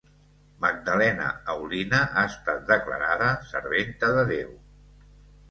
Magdalena Aulina ha estat declarada serventa de Déu.